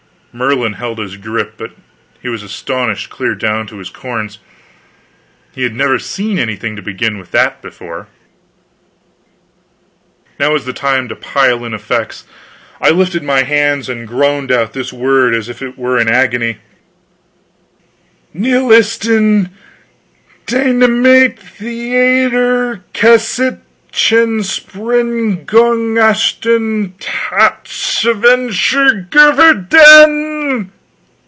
Merlin held his grip, but he was astonished clear down to his corns; he had never seen anything to begin with that, before. Now was the time to pile in the effects. I lifted my hands and groaned out this word as it were in agony: "Nihilistendynamittheaterkaestchenssprengungsattentaetsversuchungen!"